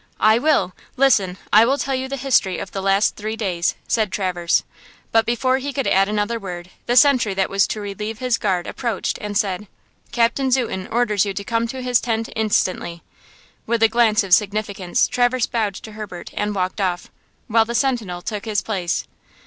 "I will. Listen! I will tell you the history of the last three days," said Traverse; but before he could add another word the sentry that was to relieve his guard approached and said: "Captain Zuten orders you to come to his tent instantly." With a glance of significance, Traverse bowed to Herbert and walked off, while the sentinel took his place.